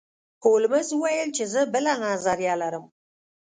هولمز وویل چې زه بله نظریه لرم.